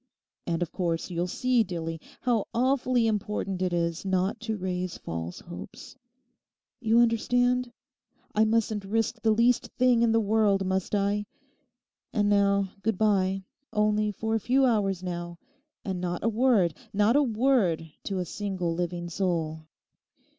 And of course you'll see, Dillie, how awfully important it is not to raise false hopes. You understand? I mustn't risk the least thing in the world, must I? And now goodbye; only for a few hours now. And not a word, not a word to a single living soul.